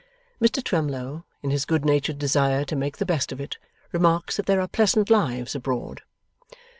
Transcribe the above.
Mr Twemlow, in his good natured desire to make the best of it, remarks that there are pleasant lives abroad.